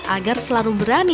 agar selalu berani